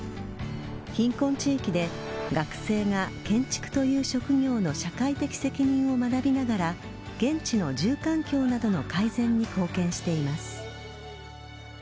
貧困地域で学生が、建築という職業の社会的責任を学びながら現地の住環境などの改善に貢献しています。